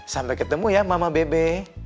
sampai ketemu ya mama bebe